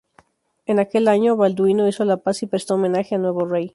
En aquel año, Balduino hizo la paz y prestó homenaje al nuevo rey.